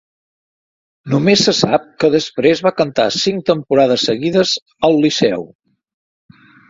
Només se sap que després va cantar cinc temporades seguides al Liceu.